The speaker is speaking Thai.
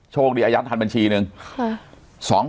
โชคดีอายัดทันบัญชีนึง